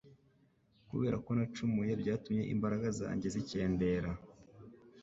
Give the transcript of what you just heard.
Kubera ko nacumuye byatumye imbaraga zanjye zikendera